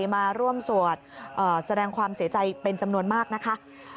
มาร่วมสวดแสดงความเสียใจเป็นจำนวนมากนะคะ